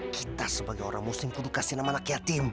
kita sebagai orang muslim itu kasih nama anak yatim